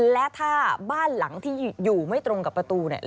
และถ้าบ้านหลังที่อยู่ไม่ตรงกับประตูเนี่ย